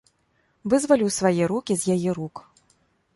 Вызваліў свае рукі з яе рук.